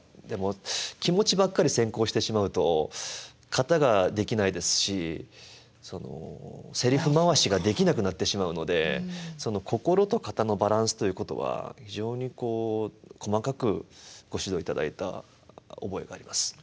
でも気持ちばっかり先行してしまうと型ができないですしセリフ回しができなくなってしまうので心と型のバランスということは非常にこう細かくご指導いただいた覚えがあります。